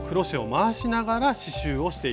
回しながら。